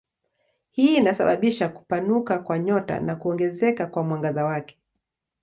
Hii inasababisha kupanuka kwa nyota na kuongezeka kwa mwangaza wake.